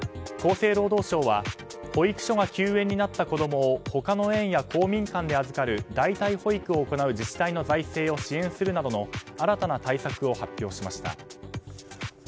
厚生労働省は保育所が休園になった子供を他の園や公民館で預かる代替保育を行う自治体の財政を支援するなどの新たな対策を発表しました。